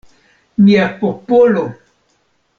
Mia popolo!